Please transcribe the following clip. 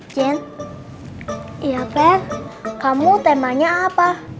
jen iya pen kamu temanya apa